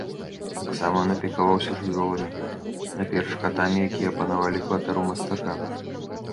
Таксама ён апекаваўся жывёламі, найперш катамі, якія апанавалі кватэру мастака.